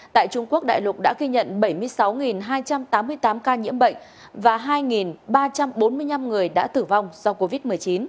tại trung quốc đại lục đã ghi nhận bảy mươi sáu hai trăm tám mươi tám ca nhiễm bệnh và hai ba trăm bốn mươi năm người đã tử vong do covid một mươi chín